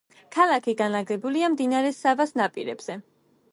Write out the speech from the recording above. ქალაქი განლაგებულია მდინარე სავას ნაპირებზე.